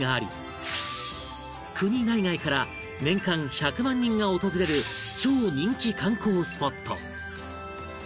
国内外から年間１００万人が訪れる超人気観光スポット